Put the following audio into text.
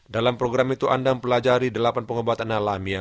dalam program itu anda mempelajari delapan pengobatan alamiah